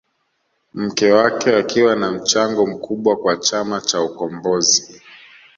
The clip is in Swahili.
Mke wake akiwa na mchango mkubwa kwa chama cha ukombozi